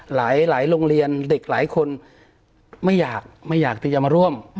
หลายโรงเรียนเด็กหลายคนไม่อยากไม่อยากที่จะมาร่วม